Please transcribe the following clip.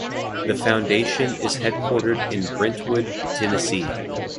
The Foundation is headquartered in Brentwood, Tennessee.